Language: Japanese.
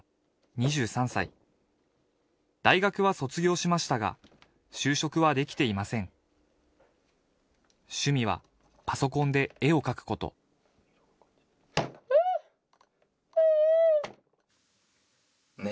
２３歳大学は卒業しましたが就職はできていません趣味はパソコンで絵を描くことうっううーっ